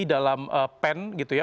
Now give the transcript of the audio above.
dalam pen gitu ya